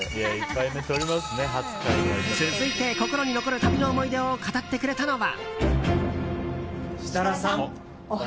続いて心に残る旅の思い出を語ってくれたのは。